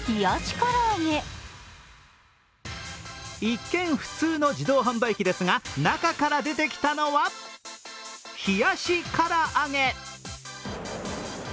一見普通の自動販売機ですが中から出てきたのは冷やし唐揚げ。